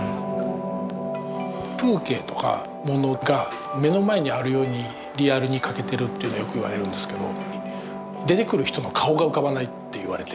風景とかものが目の前にあるようにリアルに書けてるっていうのよく言われるんですけど出てくる人の顔が浮かばないって言われて。